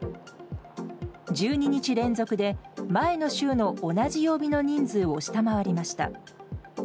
１２日連続で、前の週の同じ曜日の人数を下回りました。